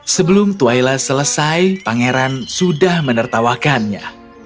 sebelum twaila selesai pangeran sudah menertawakannya